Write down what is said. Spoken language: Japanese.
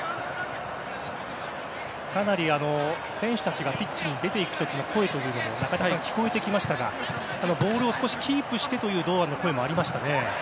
かなり選手たちがピッチに出て行く時の声も聞こえてきましたがボールをキープしてという堂安の声もありましたね。